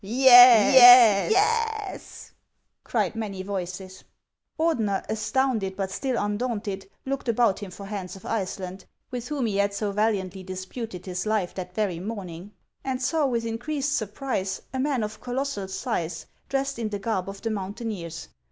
" Yes, yes !" cried many voices. Ordener, astounded, but still undaunted, looked about him for Hans of Iceland, with whom he had so valiantly disputed his life that very morning, and saw with in creased surprise a man of colossal size, dressed in the garb of the mountaineers.